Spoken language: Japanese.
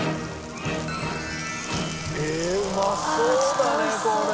ええうまそうだねこれ。